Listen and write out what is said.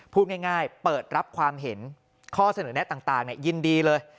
พูดง่ายเปิดรับความเห็นข้อเสนอแนะต่างยินดีเลย